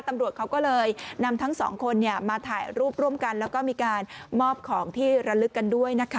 ตำรวจเขาก็เลยนำทั้งสองคนมาถ่ายรูปร่วมกันแล้วก็มีการมอบของที่ระลึกกันด้วยนะคะ